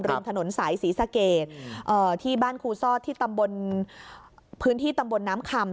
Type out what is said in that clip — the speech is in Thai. ลืมถนนใสศรีสเกตที่บ้านครูซ่อก์พื้นที่ตำบนน้ำคำ